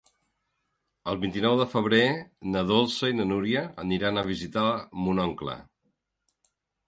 El vint-i-nou de febrer na Dolça i na Núria aniran a visitar mon oncle.